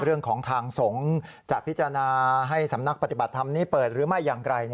เรื่องของทางสงฆ์จะพิจารณาให้สำนักปฏิบัติธรรมนี้เปิดหรือไม่อย่างไร